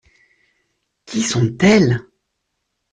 Qui sont-elles ?